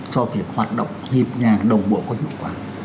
cho việc hoạt động hiệp nhà đồng bộ có hiệu quả